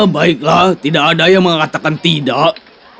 baiklah tidak ada yang mengatakan tidak